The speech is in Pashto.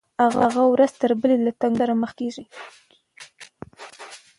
هغه ورځ تر بلې له تنګو سره مخ کېده.